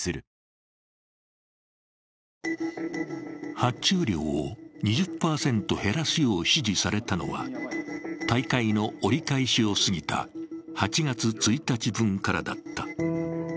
発注量を２０％減らすよう指示されたのは大会の折り返しを過ぎた８月１日分からだった。